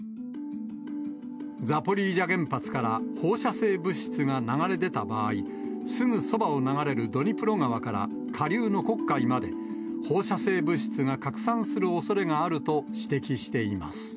ザポリージャ原発から放射性物質が流れ出た場合、すぐそばを流れるドニプロ川から下流の黒海まで、放射性物質が拡散するおそれがあると指摘しています。